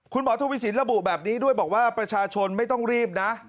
คุณหมอทวีสินระบุแบบนี้ด้วยบอกว่าประชาชนไม่ต้องรีบนะ